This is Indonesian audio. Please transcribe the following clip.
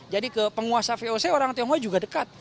jadi ke penguasa voc orang tionghoa juga dekat